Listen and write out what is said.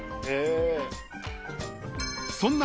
［そんな］